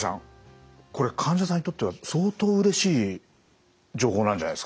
これ患者さんにとっては相当うれしい情報なんじゃないですか？